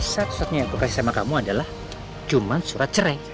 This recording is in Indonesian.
satu satunya yang aku kasih sama kamu adalah cuma surat cerai